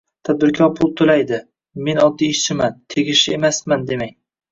Tadbirkor pul to'laydi, men oddiy ishchiman, tegishli emasman demang